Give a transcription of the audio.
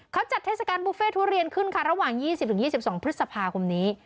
เขาจัดเทศกาลบุฟเฟ่ทุเรียนขึ้นค่ะระหว่างยี่สิบถึงยี่สิบสองพฤษภาคมนี้